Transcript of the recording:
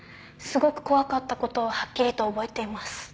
すごく怖かった事をはっきりと覚えています。